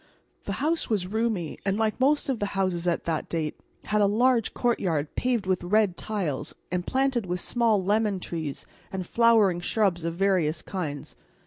The house was roomy, and like most of the houses at that date had a large courtyard paved with red tiles and planted with small lemon trees and flowering shrubs of various kinds.